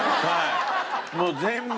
もう全部。